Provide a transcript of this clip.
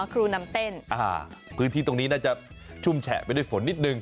ครูนำเต้นพื้นที่ตรงนี้น่าจะชุ่มแฉะไปด้วยฝนนิดนึง